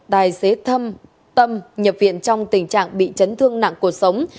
tài xế thâm tâm nhập viện trong tình trạng bị chấn thương nặng cuộc sống